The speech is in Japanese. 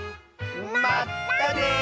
まったね！